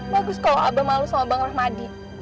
bagus kalau abah malu sama bang rahmadi